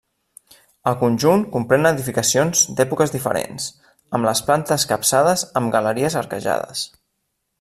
El conjunt comprèn edificacions d'èpoques diferents, amb les plantes capçades amb galeries arquejades.